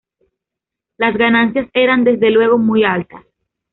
Las ganancias eran desde luego muy altas.